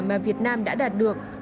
mà việt nam đã đạt được